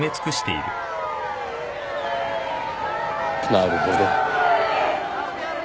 なるほど。